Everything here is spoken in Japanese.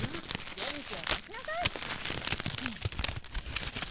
元気を出しなさい。